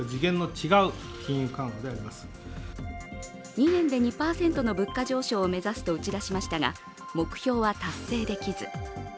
２年で２％の物価上昇を目指すと打ち出しましたが、目標は達成できず。